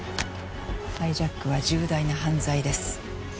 ハイジャックは重大な犯罪です。